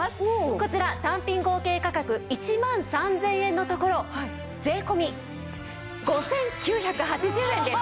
こちら単品合計価格１万３０００円のところ税込５９８０円です。